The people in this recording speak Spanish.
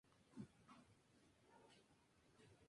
En la rueda de los signos el Búfalo es el opuesto de la Cabra.